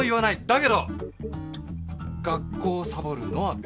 だけど学校をサボるのは別だ。